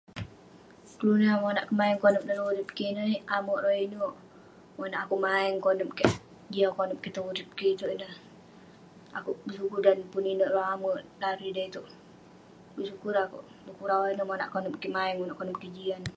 Kelunan yah monak kemaeng konep dalem urip kik ineh, amerk rawah inek..monak akouk maeng konep kik, jiak konep kik, tong urip kik itouk ineh..akouk bersyukur dan pun inek rawah amerk larui da itouk..bersyukur akouk..du'kuk rawah ineh monak konep kik maeng..monak konep kik jian..